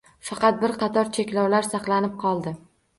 Faqat bir qator cheklovlar saqlanib qoldi.